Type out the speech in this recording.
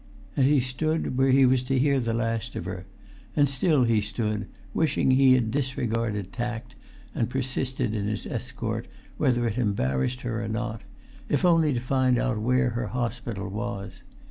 And he stood where he was to hear the last of her; and still he stood, wishing he had disregarded tact, and persisted in his escort, whether it embarrassed her or not, if only to find out where her hospital was.